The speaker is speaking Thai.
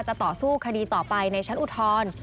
ต่อสู้คดีต่อไปในชั้นอุทธรณ์